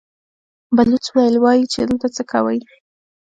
بلوڅ وويل: وايي چې دلته څه کوئ؟